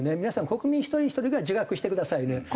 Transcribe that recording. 皆さん国民一人ひとりが自覚してくださいね。